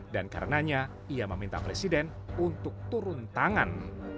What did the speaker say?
dan karenanya ia meminta presiden untuk turun tangan